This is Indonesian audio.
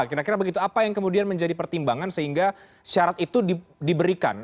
kira kira begitu apa yang kemudian menjadi pertimbangan sehingga syarat itu diberikan